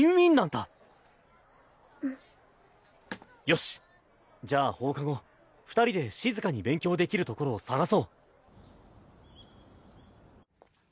よしじゃあ放課後二人で静かに勉強できる所を探そう。